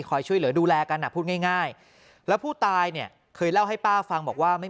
ช่วยเหลือดูแลกันอ่ะพูดง่ายแล้วผู้ตายเนี่ยเคยเล่าให้ป้าฟังบอกว่าไม่